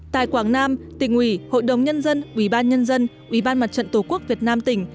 tại quảng nam tỉnh ủy hội đồng nhân dân ủy ban nhân dân ủy ban mặt trận tổ quốc việt nam tỉnh